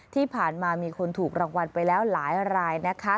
ที่ผ่านมามีคนถูกรางวัลไปแล้วหลายรายนะคะ